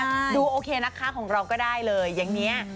ตั้งก็ได้ดูโอเคนะครับของเราก็ได้เลยอย่างนี้